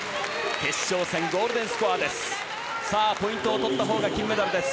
決勝戦、ゴールデンスコアです。